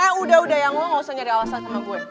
eh udah udah yang lo nggak usah nyari alasan sama gue